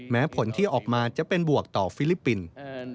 แม้ผลที่ออกมาจะเป็นบวกต่อฟิลิปปินส์